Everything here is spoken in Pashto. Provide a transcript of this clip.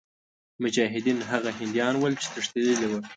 مجاهدین هغه هندیان ول چې تښتېدلي وه.